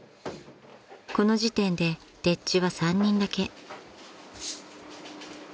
［この時点で丁稚は３人だけ］